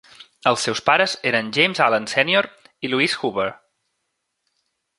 Els seus pares eren James Allen sènior i Louise Hoover.